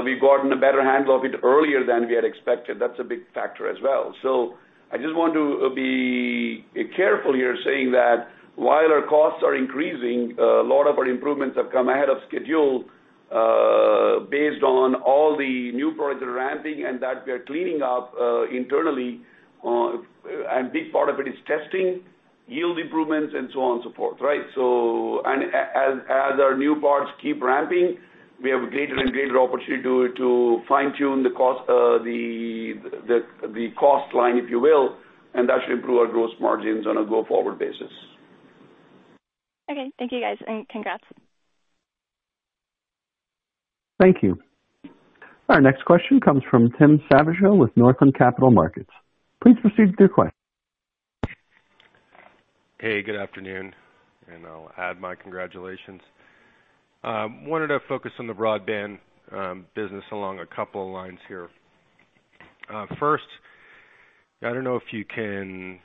We've gotten a better handle of it earlier than we had expected. That's a big factor as well. I just want to be careful here saying that while our costs are increasing, a lot of our improvements have come ahead of schedule based on all the new products that are ramping and that we are cleaning up internally. Big part of it is testing, yield improvements, and so on and so forth, right? As our new parts keep ramping, we have a greater and greater opportunity to fine-tune the cost line, if you will, and that should improve our gross margins on a go-forward basis. Okay. Thank you guys, and congrats. Thank you. Our next question comes from Tim Savageaux with Northland Capital Markets. Please proceed with your question. Hey, good afternoon. I'll add my congratulations. Wanted to focus on the broadband business along a couple of lines here. First, I don't know if you can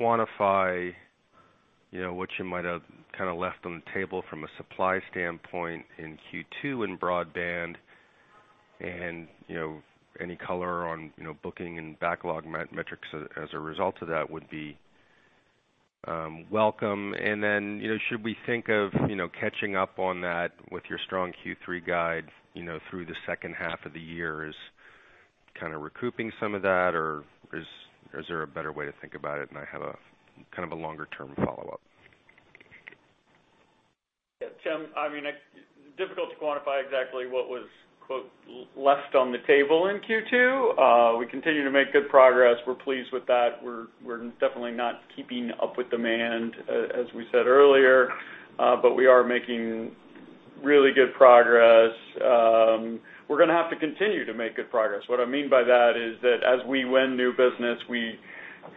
quantify what you might have kind of left on the table from a supply standpoint in Q2 in broadband. Any color on booking and backlog metrics as a result of that would be welcome. Should we think of catching up on that with your strong Q3 guide through the second half of the year as kind of recouping some of that, or is there a better way to think about it? I have kind of a longer-term follow-up. Yeah. Tim, difficult to quantify exactly what was, quote, "left on the table" in Q2. We continue to make good progress. We're pleased with that. We're definitely not keeping up with demand, as we said earlier, but we are making really good progress. We're going to have to continue to make good progress. What I mean by that is that as we win new business,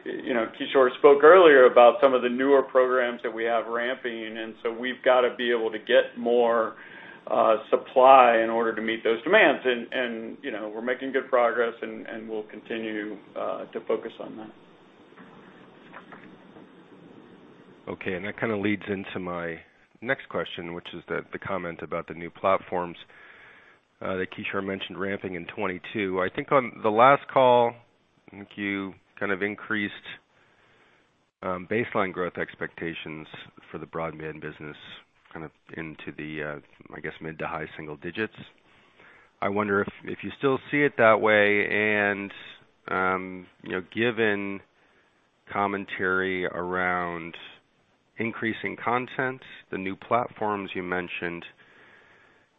Kishore spoke earlier about some of the newer programs that we have ramping, and so we've got to be able to get more supply in order to meet those demands. We're making good progress, and we'll continue to focus on that. Okay, that kind of leads into my next question, which is the comment about the new platforms that Kishore mentioned ramping in 2022. On the last call, I think you kind of increased baseline growth expectations for the broadband business kind of into the, I guess, mid-to-high single digits. I wonder if you still see it that way and, given commentary around increasing content, the new platforms you mentioned,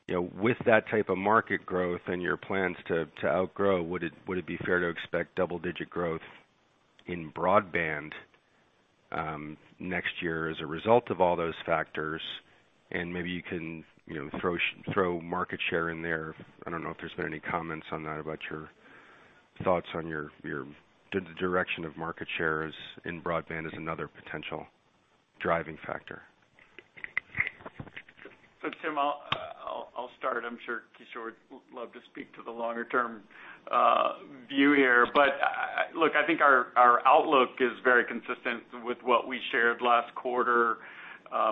with that type of market growth and your plans to outgrow, would it be fair to expect double-digit growth in broadband next year as a result of all those factors? Maybe you can throw market share in there. I don't know if there's been any comments on that about your thoughts on the direction of market shares in broadband as another potential driving factor. Tim, I'll start. I'm sure Kishore would love to speak to the longer-term view here. Look, I think our outlook is very consistent with what we shared last quarter.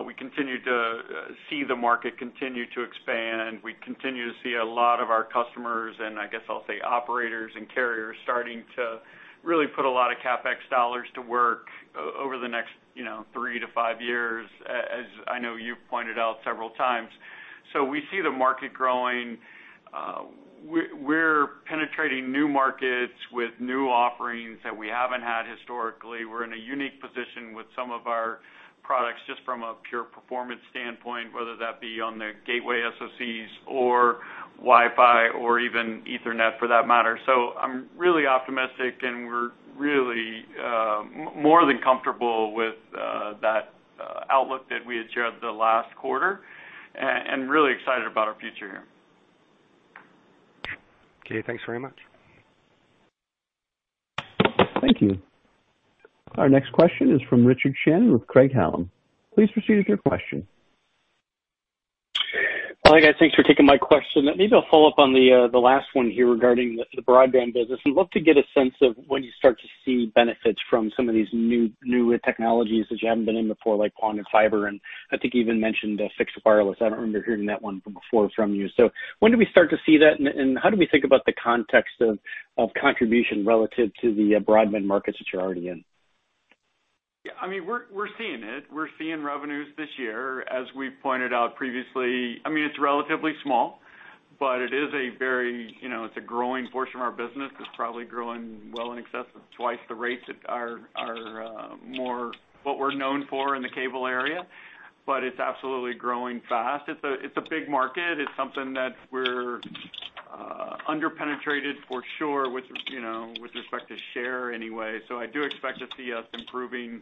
We continue to see the market continue to expand. We continue to see a lot of our customers, and I guess I'll say operators and carriers, starting to really put a lot of CapEx dollars to work over the next three to five years, as I know you've pointed out several times. We see the market growing. We're penetrating new markets with new offerings that we haven't had historically. We're in a unique position with some of our products just from a pure performance standpoint, whether that be on the gateway SoCs or Wi-Fi or even Ethernet for that matter. I'm really optimistic, and we're really more than comfortable with that outlook that we had shared the last quarter and really excited about our future here. Okay, thanks very much. Thank you. Our next question is from Richard Shannon with Craig-Hallum. Please proceed with your question. Hi, guys. Thanks for taking my question. Maybe I'll follow up on the last one here regarding the broadband business. I'd love to get a sense of when you start to see benefits from some of these newer technologies that you haven't been in before, like PON and fiber, and I think you even mentioned fixed wireless. I don't remember hearing that one from before from you. When do we start to see that, and how do we think about the context of contribution relative to the broadband markets that you're already in? Yeah. We are seeing it. We are seeing revenues this year, as we pointed out previously. It is relatively small, but it is a growing portion of our business. It is probably growing well in excess of 2x the rates that are more what we are known for in the cable area, but it is absolutely growing fast. It is a big market. It is something that we are under-penetrated for sure with respect to share anyway. I do expect to see us improving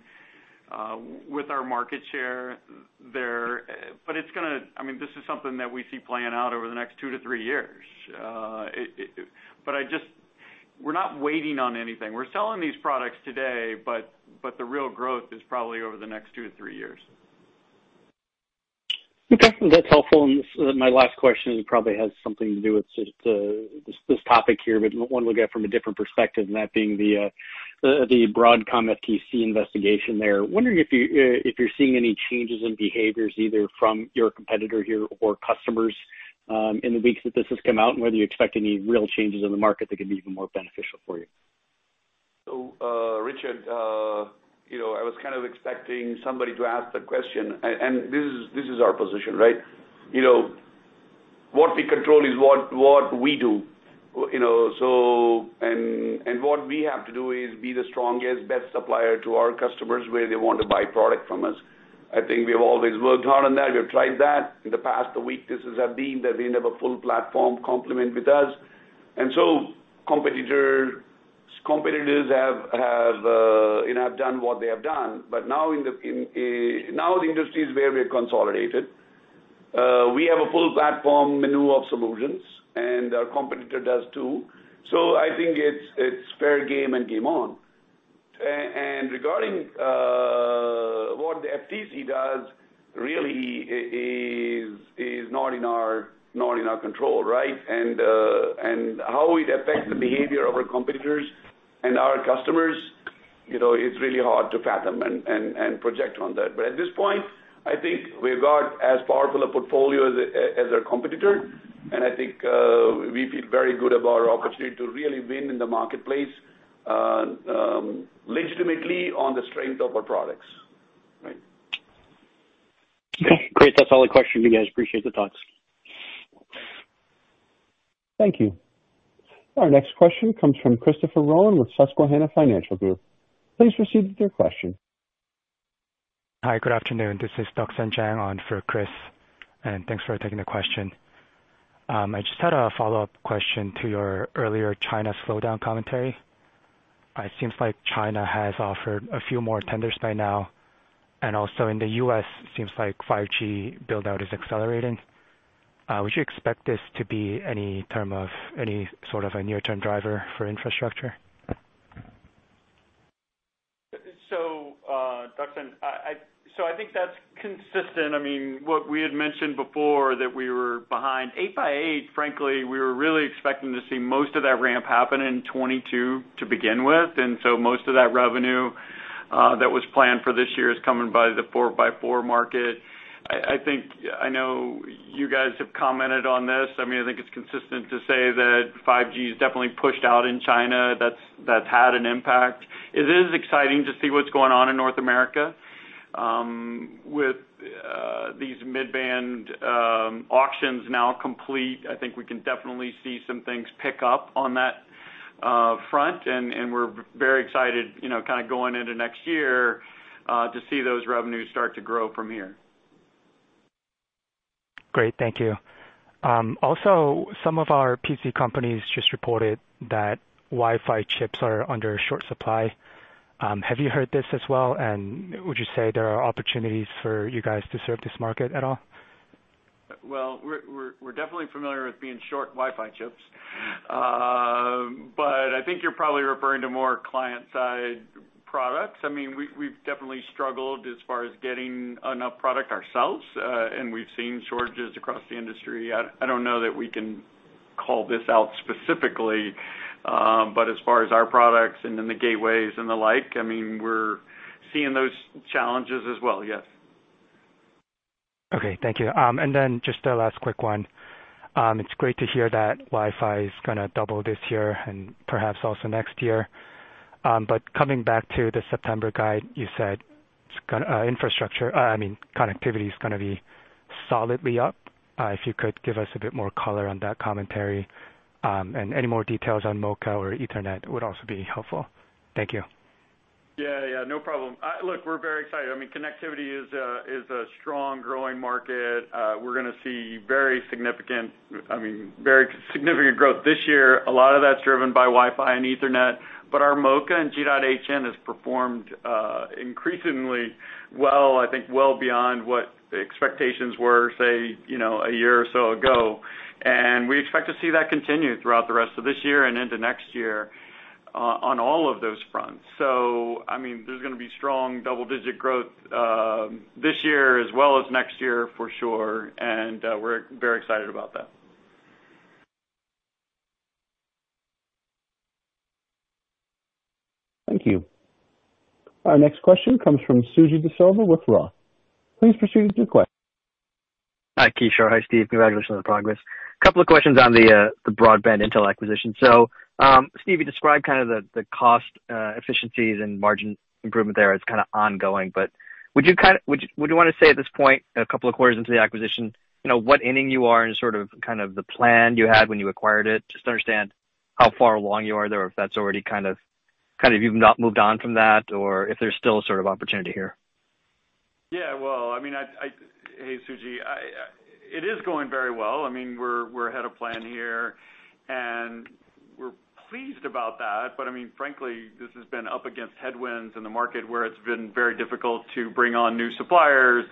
with our market share there. This is something that we see playing out over the next two to three years. We are not waiting on anything. We are selling these products today, but the real growth is probably over the next two to three years. Okay. That's helpful. My last question probably has something to do with this topic here, but I want to look at it from a different perspective, and that being the Broadcom FTC investigation there. Wondering if you're seeing any changes in behaviors, either from your competitor here or customers, in the weeks that this has come out, and whether you expect any real changes in the market that could be even more beneficial for you? Richard, I was kind of expecting somebody to ask that question, and this is our position. What we control is what we do. What we have to do is be the strongest, best supplier to our customers where they want to buy product from us. I think we have always worked hard on that. We have tried that. In the past, the weaknesses have been that we never full platform complement with us. Competitors have done what they have done. Now the industry is very consolidated. We have a full platform menu of solutions, and our competitor does too. I think it's fair game and game on. Regarding what the FTC does really is not in our control, right? How it affects the behavior of our competitors and our customers, it's really hard to fathom and project on that. At this point, I think we've got as powerful a portfolio as our competitor, and I think we feel very good about our opportunity to really win in the marketplace, legitimately on the strength of our products. Okay, great. That's all the questions you guys. Appreciate the thoughts. Thank you. Our next question comes from Christopher Rolland with Susquehanna Financial Group. Please proceed with your question. Hi. Good afternoon. This is Jiaxin Zhang on for Chris. Thanks for taking the question. I just had a follow-up question to your earlier China slowdown commentary. It seems like China has offered a few more tenders by now, and also in the U.S., it seems like 5G build-out is accelerating. Would you expect this to be any sort of a near-term driver for infrastructure? Jiaxin Zhang, I think that's consistent. What we had mentioned before that we were behind 8x8, frankly, we were really expecting to see most of that ramp happen in 2022 to begin with. Most of that revenue that was planned for this year is coming by the 4x4 market. I think, I know you guys have commented on this. I think it's consistent to say that 5G is definitely pushed out in China. That's had an impact. It is exciting to see what's going on in North America with these mid-band auctions now complete. I think we can definitely see some things pick up on that front, we're very excited, kind of going into next year, to see those revenues start to grow from here. Great. Thank you. Some of our PC companies just reported that Wi-Fi chips are under short supply. Have you heard this as well, and would you say there are opportunities for you guys to serve this market at all? Well, we're definitely familiar with being short in Wi-Fi chips. I think you're probably referring to more client-side products. We've definitely struggled as far as getting enough product ourselves, and we've seen shortages across the industry. I don't know that we can call this out specifically, but as far as our products and in the gateways and the like, we're seeing those challenges as well, yes. Okay, thank you. Just a last quick one. It's great to hear that Wi-Fi is going to double this year and perhaps also next year. Coming back to the September guide, you said connectivity is going to be solidly up. If you could give us a bit more color on that commentary, and any more details on MoCA or Ethernet would also be helpful. Thank you. Yeah. No problem. We're very excited. Connectivity is a strong, growing market. We're going to see very significant growth this year. A lot of that's driven by Wi-Fi and Ethernet, but our MoCA and G.hn has performed increasingly well, I think well beyond what the expectations were, say, a year or so ago. We expect to see that continue throughout the rest of this year and into next year on all of those fronts. There's going to be strong double-digit growth this year as well as next year, for sure, and we're very excited about that. Thank you. Our next question comes from Suji Desilva with Roth. Please proceed with your question. Hi, Kishore. Hi, Steve. Congratulations on the progress. A couple of questions on the broadband Intel acquisition. Steve, you described the cost efficiencies and margin improvement there as kind of ongoing, would you want to say at this point, a couple of quarters into the acquisition, what inning you are and sort of the plan you had when you acquired it, just to understand how far along you are there, if that's already kind of you've not moved on from that, or if there's still a sort of opportunity here? Yeah. Well, hey, Suji. It is going very well. We're ahead of plan here, and we're pleased about that. Frankly, this has been up against headwinds in the market where it's been very difficult to bring on new suppliers.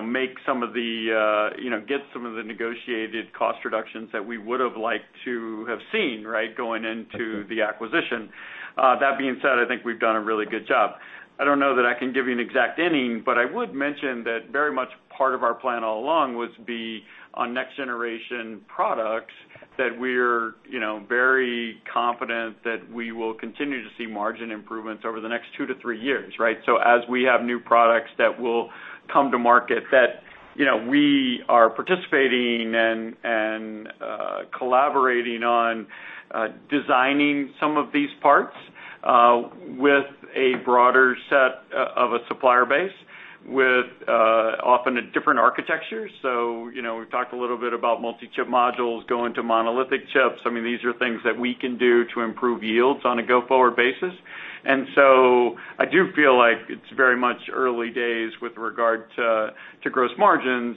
Make some of the, get some of the negotiated cost reductions that we would've liked to have seen, right? Going into the acquisition. That being said, I think we've done a really good job. I don't know that I can give you an exact inning, but I would mention that very much part of our plan all along would be on next generation products that we're very confident that we will continue to see margin improvements over the next two to three years, right? As we have new products that will come to market that we are participating and collaborating on designing some of these parts, with a broader set of a supplier base, with often a different architecture. We've talked a little bit about multi-chip modules going to monolithic chips. These are things that we can do to improve yields on a go-forward basis. I do feel like it's very much early days with regard to gross margins.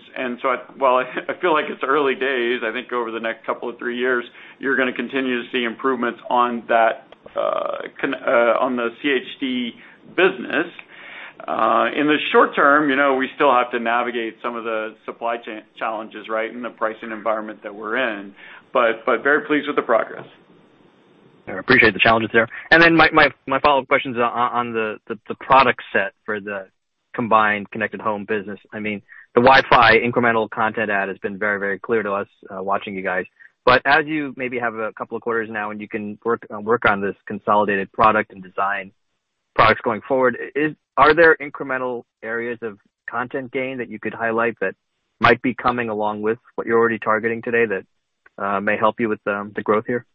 While I feel like it's early days, I think over the next couple of three years, you're going to continue to see improvements on the CHD business. In the short term, we still have to navigate some of the supply chain challenges, right, in the pricing environment that we're in. Very pleased with the progress. I appreciate the challenges there. My follow-up question is on the product set for the combined Connected Home business. The Wi-Fi incremental content add has been very, very clear to us watching you guys. As you maybe have a couple of quarters now and you can work on this consolidated product and design products going forward, are there incremental areas of content gain that you could highlight that might be coming along with what you're already targeting today that may help you with the growth here?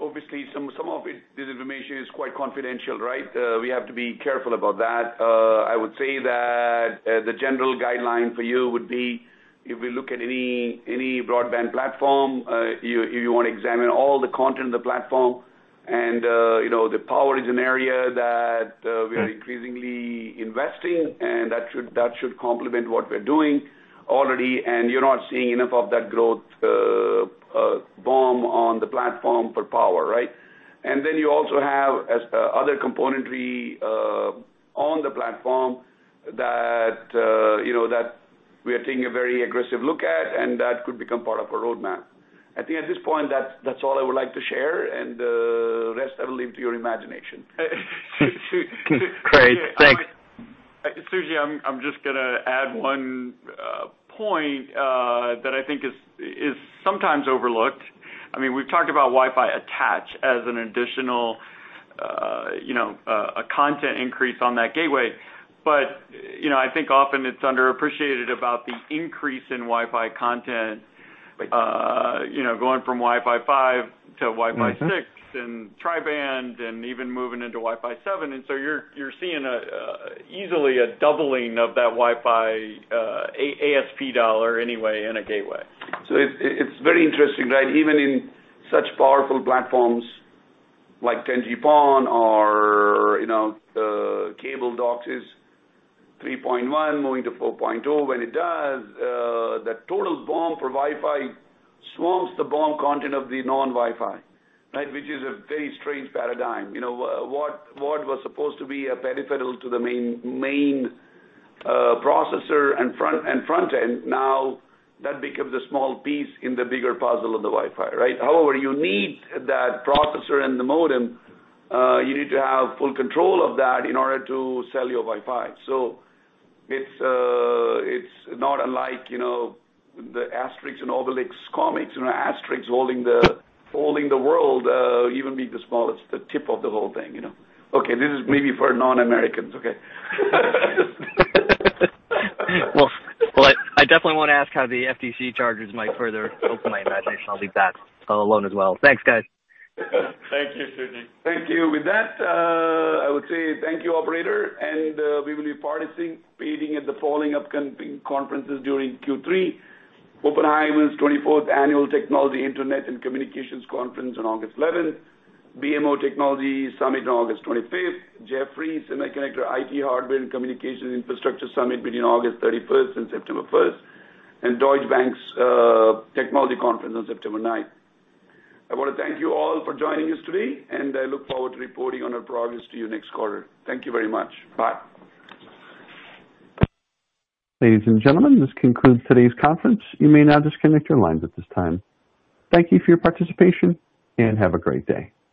Obviously, some of this information is quite confidential, right? We have to be careful about that. I would say that the general guideline for you would be, if we look at any broadband platform, you want to examine all the content of the platform and the power is an area that we are increasingly investing, and that should complement what we're doing already, and you're not seeing enough of that growth BOM on the platform for power, right? And then you also have other componentry on the platform that we are taking a very aggressive look at, and that could become part of a roadmap. I think at this point, that's all I would like to share, and the rest I will leave to your imagination. Great. Thanks. Suji, I'm just going to add one point that I think is sometimes overlooked. We've talked about Wi-Fi attach as an additional content increase on that gateway. I think often it's underappreciated about the increase in Wi-Fi content going from Wi-Fi 5 to Wi-Fi 6 and tri-band and even moving into Wi-Fi 7. You're seeing easily a doubling of that Wi-Fi ASP dollar anyway in a gateway. It's very interesting, right? Even in such powerful platforms like 10G-PON or cable DOCSIS 3.1 moving to 4.0, when it does, the total BOM for Wi-Fi swamps the BOM content of the non-Wi-Fi, right? Which is a very strange paradigm. What was supposed to be a peripheral to the main processor and front end, now that becomes a small piece in the bigger puzzle of the Wi-Fi, right? However, you need that processor and the modem, you need to have full control of that in order to sell your Wi-Fi. It's not unlike the Asterix and Obelix comics, Asterix holding the world, even being the smallest, the tip of the whole thing. Okay, this is maybe for non-Americans. I definitely want to ask how the FTC charges might further open my imagination. I'll leave that alone as well. Thanks, guys. Thank you, Suji. Thank you. With that, I would say thank you, operator, and we will be participating in the following upcoming conferences during Q3: Oppenheimer's 24th Annual Technology Internet and Communications Conference on August 11th, BMO Technology Summit on August 25th, Jefferies Semiconductor, IT, Hardware and Communications Infrastructure Summit between August 31st and September 1st, and Deutsche Bank's Technology Conference on September 9th. I want to thank you all for joining us today, and I look forward to reporting on our progress to you next quarter. Thank you very much. Bye. Ladies and gentlemen, this concludes today's conference. You may now disconnect your lines at this time. Thank you for your participation, and have a great day.